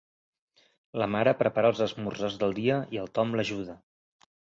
La mare prepara els esmorzars del dia i el Tom l'ajuda.